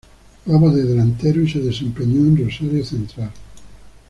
Jugaba de delantero y se desempeñó en Rosario Central.